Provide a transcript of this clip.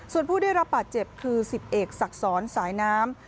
ส่วนผู้ได้รับบาดเจ็บคือ๑๐เอกศักดิ์สอนสายน้ำ